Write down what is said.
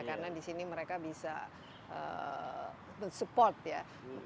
karena di sini mereka bisa support ya